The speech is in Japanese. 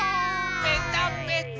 ぺたぺた。